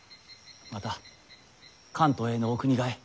また関東へのお国替え